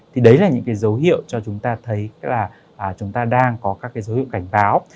thì đấy là những cái dấu hiệu cho chúng ta thấy là chúng ta đang có các cái dấu hiệu cảnh báo